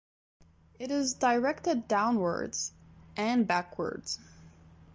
It is directed downwards and backwards.